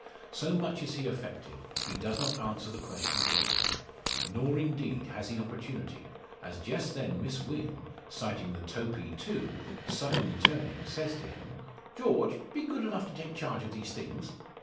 So much is he affected, he does not answer the question put to him; nor indeed has he opportunity, as just then Miss Wynn, sighting the topee too, suddenly turning, says to him: "George! be good enough to take charge of these things."